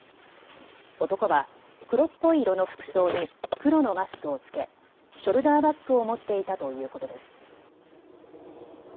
男は黒っぽい色の服装に黒のマスクを着けショルダーバッグを持っていたということです。